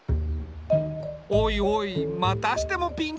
おいおいまたしてもピンチだな。